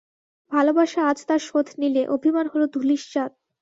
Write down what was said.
ভালোবাসা আজ তার শোধ নিলে, অভিমান হল ধূলিসাৎ।